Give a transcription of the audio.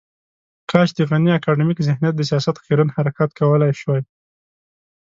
کاش د غني اکاډمیک ذهنیت د سياست خیرن حرکات کولای شوای.